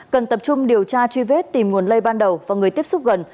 cần tập trung điều tra truy vết tìm nguồn lây ban đầu và người tiếp xúc gần